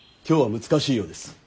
今日は難しいようです。